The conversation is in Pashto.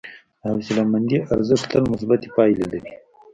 د حوصلهمندي ارزښت تل مثبتې پایلې لري.